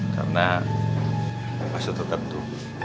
karena maksud tertentu